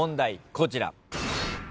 こちら。